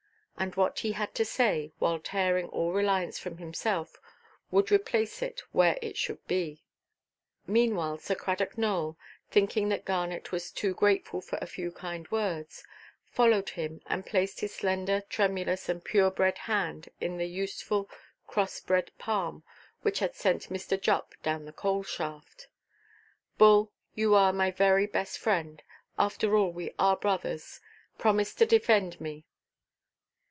And what he had to say, while tearing all reliance from himself, would replace it where it should be. Meanwhile Sir Cradock Nowell, thinking that Garnet was too grateful for a few kind words, followed him, and placed his slender tremulous and pure–bred hand in the useful cross–bred palm which had sent Mr. Jupp down the coal–shaft. "Bull, you are my very best friend. After all, we are brothers. Promise to defend me."